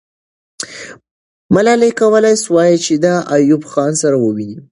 ملالۍ کولای سوای چې د ایوب خان سره وویني.